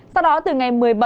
sau đó từ ngày một mươi bảy